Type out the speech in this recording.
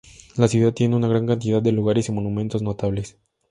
La ciudad tiene una gran cantidad de lugares y monumentos notables.